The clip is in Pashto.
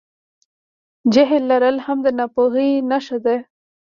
جهل لرل هم د ناپوهۍ نښه ده.